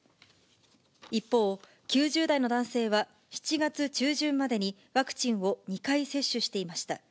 一方、９０代の男性は７月中旬までにワクチンを２回接種していました。